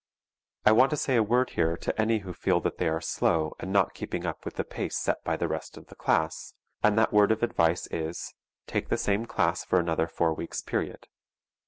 I want to say a word here to any who feel that they are slow and not keeping up with the pace set by the rest of the class, and that word of advice is, take the same class for another four weeks' period.